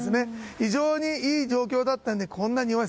非常にいい状況だったのでこんなに安い。